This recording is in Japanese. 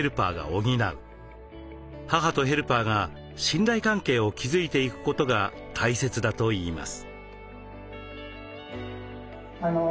母とヘルパーが信頼関係を築いていくことが大切だといいます。